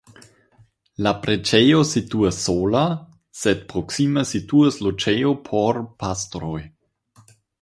La preĝejo situas sola sed proksime situas loĝejo por pastroj.